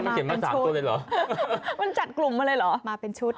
มันเขียนมา๓ตัวเลขเหรอมาเป็นชุดมาเป็นชุดมาเป็นชุดมาเป็นชุดมาเป็นชุด